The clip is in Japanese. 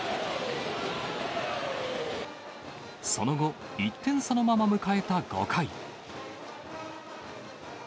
その後、１点差のまま迎えた５回。